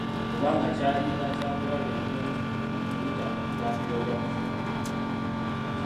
Kuba kyalinga kyabulabe nnyo okuyita ku ttambiro lya Nnende.